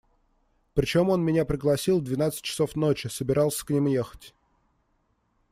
Причем он меня пригласил в двенадцать часов ночи, собирался к ним ехать.